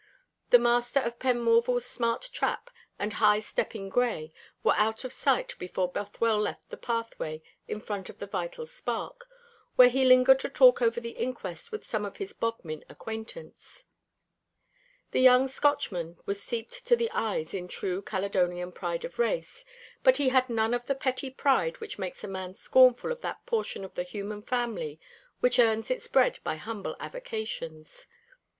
The master of Penmorval's smart trap and high stepping gray were out of sight before Bothwell left the pathway in front of the Vital Spark, where he lingered to talk over the inquest with some of his Bodmin acquaintance. The young Scotchman was steeped to the eyes in true Caledonian pride of race; but he had none of the petty pride which makes a man scornful of that portion of the human family which earns its bread by humble avocations.